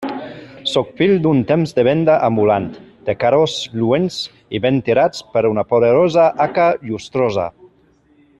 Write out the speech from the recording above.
Sóc fill d'un temps de venda ambulant, de carros lluents i ben tirats per una poderosa haca llustrosa.